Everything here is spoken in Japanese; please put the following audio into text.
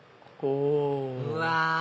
うわ！